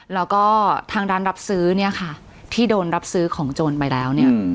แล้วก็ทางร้านรับซื้อเนี่ยค่ะที่โดนรับซื้อของโจรไปแล้วเนี่ย